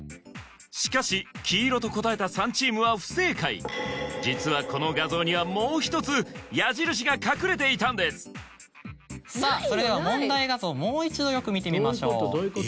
しかし黄色と答えた３チームは不正解実はこの画像にはもう１つさぁそれでは問題画像もう一度よく見てみましょう。